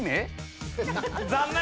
残念！